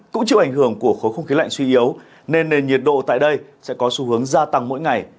cũng chịu ảnh hưởng của khối không khí lạnh suy yếu nên nền nhiệt độ tại đây sẽ có xu hướng gia tăng mỗi ngày